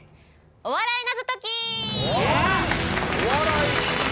お笑い謎解き。